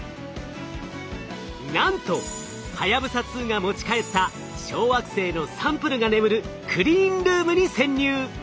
なんとはやぶさ２が持ち帰った小惑星のサンプルが眠るクリーンルームに潜入！